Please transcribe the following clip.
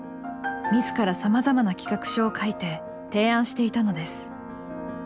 自らさまざまな企画書を書いて提案していたのです。